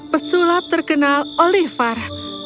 pesulap terkenal oliver